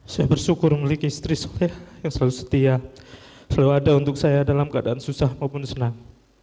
saya bersyukur memiliki istri saya yang selalu setia selalu ada untuk saya dalam keadaan susah maupun senang